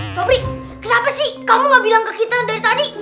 sobrik kenapa sih kamu gak bilang ke kita dari tadi